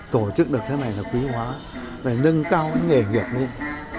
tổ chức được thế này là quý hóa để nâng cao nghề nghiệp lên